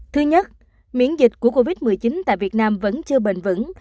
thứ nhất miễn dịch của covid một mươi chín tại việt nam vẫn chưa bền vững